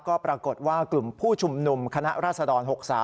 ก็ปรากฏว่ากลุ่มผู้ชุมนุมคณะราษฎร๖๓